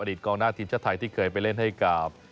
อดีตกล้องหน้าทิชชะไทยที่เคยไปเล่นให้กับ